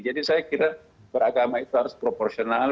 jadi saya kira beragama itu harus proporsional